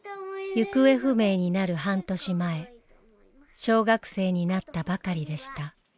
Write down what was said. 行方不明になる半年前小学生になったばかりでした。